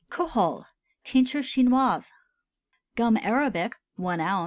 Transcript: KOHOL (TEINTURE CHINOISE). Gum arabic 1 oz.